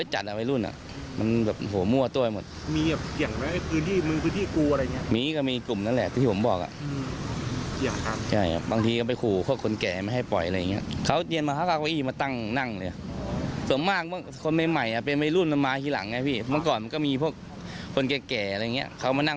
หลังหลังมันไม่มีงานที่ทำไงแล้วก็มานั่งขายไว้ด้านนั้น